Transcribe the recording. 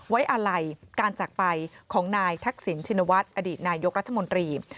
ไว้อาลัยการจากไปของนายทักษิณชินวัฒน์อดีตนายกรัฐมนตรี